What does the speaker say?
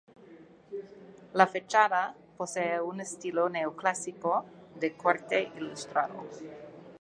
La fachada posee un estilo neoclásico de corte ilustrado.